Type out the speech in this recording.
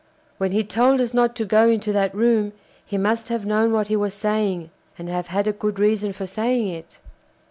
When he told us not to go into that room he must have known what he was saying, and have had a good reason for saying it.